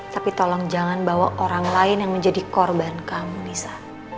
tapi tolong jangan bawa orang lain yang menjadi korban kamu nisa